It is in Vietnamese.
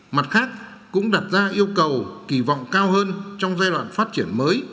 mặt khác cũng đặt ra yêu cầu kỳ vọng cao hơn trong giai đoạn phát triển mới